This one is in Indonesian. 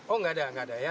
oh enggak ada enggak ada ya